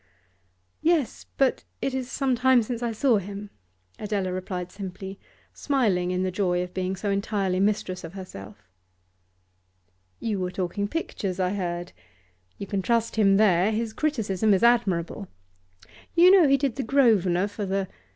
'Yes, but it is some time since I saw him,' Adela replied simply, smiling in the joy of being so entirely mistress of herself. 'You were talking pictures, I heard. You can trust him there; his criticism is admirable. You know he did the Grosvenor for the